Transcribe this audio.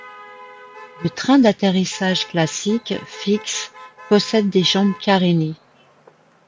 Le train d'atterrissage classique fixe possède des jambes carénées.